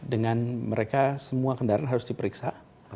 dengan mereka semua kendaraan harus diperiksa